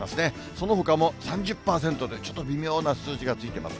そのほかも３０％で、ちょっと微妙な数字がついてます。